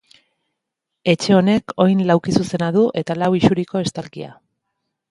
Etxe honek oin laukizuzena du eta lau isuriko estalkia.